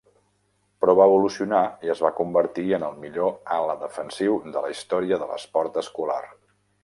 Però va evolucionar i es va convertir en el millor ala defensiu de la història de l'esport escolar.